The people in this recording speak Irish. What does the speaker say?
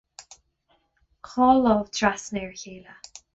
dhá lámh trasna ar a chéile